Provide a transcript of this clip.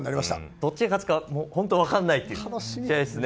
どっちが勝つか本当に分からないという試合ですね。